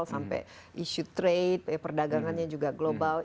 sampai isu trade perdagangannya juga global